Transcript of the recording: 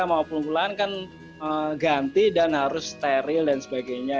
mau pulang kan ganti dan harus steril dan sebagainya